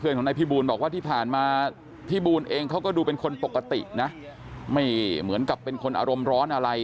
ของนายพี่บูลบอกว่าที่ผ่านมาพี่บูลเองเขาก็ดูเป็นคนปกตินะไม่เหมือนกับเป็นคนอารมณ์ร้อนอะไร